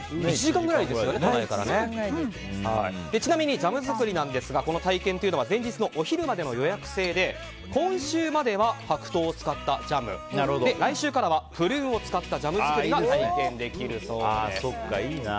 ちなみにジャム作りですがこの体験は前日のお昼までの予約制で今週までは白桃を使ったジャム来週からはプルーンを作ったジャム作りが体験できるそうです。